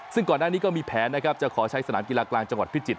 ซึ่งก่อนหน้านี้ก็มีแผนนะครับจะขอใช้สนามกีฬากลางจังหวัดพิจิต